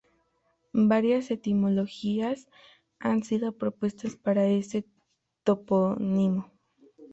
Varias etimologías han sido propuestas para este topónimo.